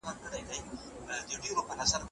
له رباب څخه به هېر نوم د اجل وي